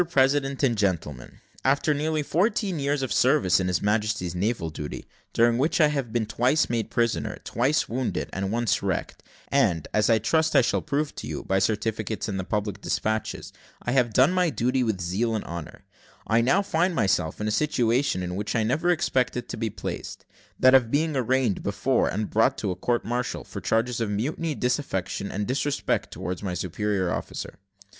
PRESIDENT AND GENTLEMEN, After nearly fourteen years service in His Majesty's navy, during which I have been twice made prisoner, twice wounded, and once wrecked; and, as I trust I shall prove to you, by certificates and the public despatches, I have done my duty with zeal and honour I now find myself in a situation in which I never expected to be placed that of being arraigned before and brought to a court martial for charges of mutiny, disaffection, and disrespect towards my superior officer.